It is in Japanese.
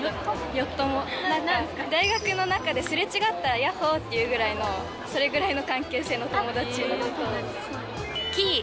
大学の中ですれ違ったら「やっほー」って言うぐらいのそれぐらいの関係性の友達の事を。